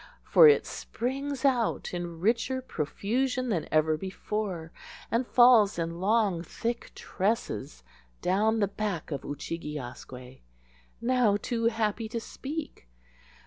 for it springs out in richer profusion than ever before, and falls in long thick tresses down the back of Oo chig e asque, now too happy to speak.